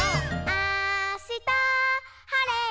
「あしたはれたら」